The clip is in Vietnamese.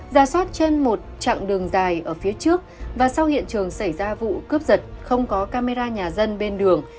ra soát trên một chặng đường dài ở phía trước và sau hiện trường xảy ra vụ cướp giật không có camera nhà dân bên đường